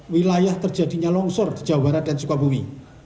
wilayah terjadinya longsor di jawa barat dan sukabumi